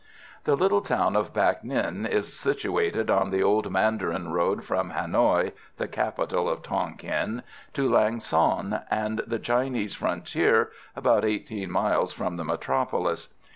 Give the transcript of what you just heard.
The little town of Bac Ninh is situated on the old mandarin road from Hanoï (the capital of Tonquin) to Lang son and the Chinese frontier, about 18 miles from the metropolis.